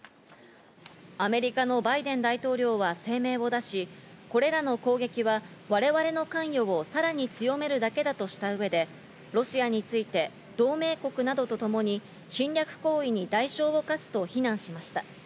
アメリカのバイデン大統領は声明を出し、これらの攻撃は我々の関与をさらに強めるだけだとした上で、ロシアについて同盟国などとともに侵略行為に代償を科すと非難しました。